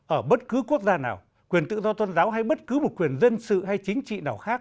ở bất cứ quốc gia nào quyền tự do tôn giáo hay bất cứ một quyền dân sự hay chính trị nào khác